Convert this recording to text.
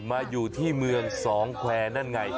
มาอยู่ที่เมืองสองแควร์นั่นไง